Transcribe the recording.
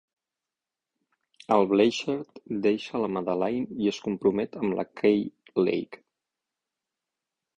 El Bleichert deixa la Madeleine i es compromet amb la Kay Lake.